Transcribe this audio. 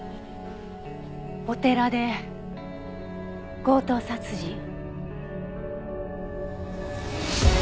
お寺で強盗殺人。